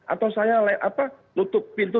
atau saya nutup pintu